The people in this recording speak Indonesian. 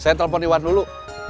saya telpon iwan dulu